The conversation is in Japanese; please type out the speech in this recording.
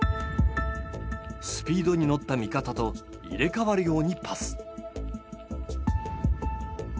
スピードに乗った味方と入れ代わるようにパス。